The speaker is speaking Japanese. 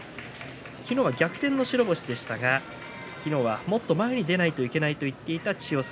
昨日は逆転の白星でしたが昨日はもっと前に出ないといけないと言っていた千代栄。